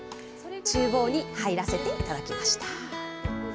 ちゅう房に入らせていただきました。